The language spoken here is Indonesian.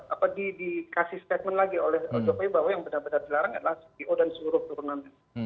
apa dikasih statement lagi oleh jokowi bahwa yang benar benar dilarang adalah cpo dan seluruh turunannya